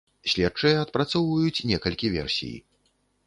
Следчыя адпрацоўваюць некалькі версій.